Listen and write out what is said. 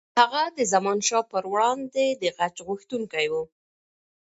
هغه د زمانشاه پر وړاندې د غچ غوښتونکی و.